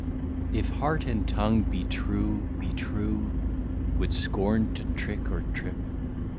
If heart and tongue be true, be true, Would scorn to trick or trip.